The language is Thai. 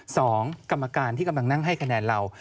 กรรมการที่กำลังนั่งให้คะแนนเรา